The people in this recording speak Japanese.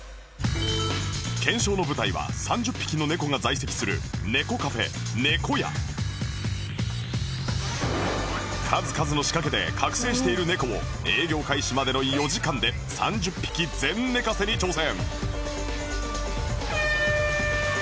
検証の舞台は３０匹の猫が在籍する数々の仕掛けで覚醒している猫を営業開始までの４時間で３０匹全寝かせに挑戦